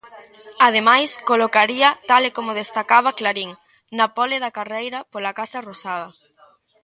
Ademais, colocaríaa, tal e como destacaba Clarín, na pole da carreira pola Casa Rosada.